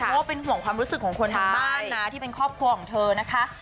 เพราะว่าเป็นห่วงความรู้สึกของคนทางบ้านนะที่เป็นครอบครัวของเธอนะคะ